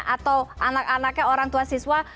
atau anak anaknya orang tua siswa